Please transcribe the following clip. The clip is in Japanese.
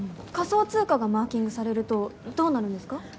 仮想通貨がマーキングされるとどうなるんですか？